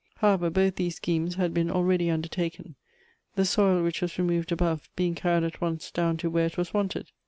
However, both these schemes had been already undertaken ; the soil which was removed above, being carried at once down to where it was wanted.